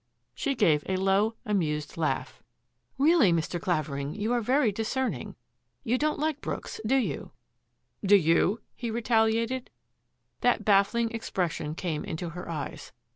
She gave a low, amused laugh. *^ Really, Mr. Clavering, you are very discerning. You don't like Brooks, do you? "" Do you ?" he retaliated. That baffling expression came into her eyes.